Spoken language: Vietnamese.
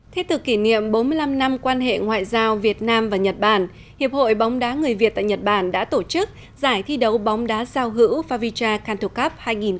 thế từ kỷ niệm bốn mươi năm năm quan hệ ngoại giao việt nam và nhật bản hiệp hội bóng đá người việt tại nhật bản đã tổ chức giải thi đấu bóng đá giao hữu favicha cantho cup hai nghìn một mươi tám